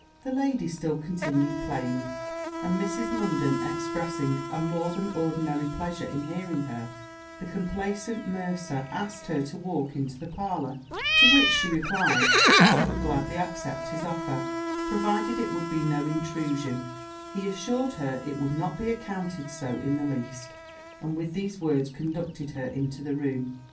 The lady still continued playing; and Mrs. Munden expressing a more than ordinary pleasure in hearing her, the complaisant mercer asked her to walk into the parlour; to which she replied, she would gladly accept his offer, provided it would be no intrusion: he assured her it would not be accounted so in the least; and with these words conducted her into the room.